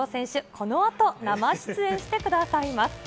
この後、生出演してくださいます。